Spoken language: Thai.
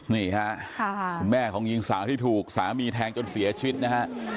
นี่ค่ะคุณแม่ของหญิงสาวที่ถูกสามีแทงจนเสียชีวิตนะฮะ